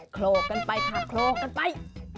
โคลกกันไปค่ะโคลกกันไป